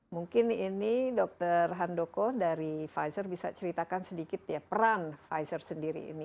mungkin ini dokter handoko dari pfizer bisa ceritakan sedikit ya peran pfizer sendiri ini